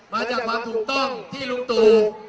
มาจากความถูกต้องที่ลุงตู่